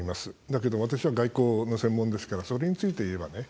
だけど、私は外交の専門ですからそれについて言えばね